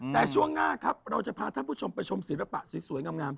แต่ช่วงหน้าครับเราจะพาท่านผู้ชมไปชมศิลปะสวยงาม